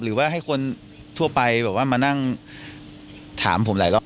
หรือว่าให้คนทั่วไปแบบว่ามานั่งถามผมหลายรอบ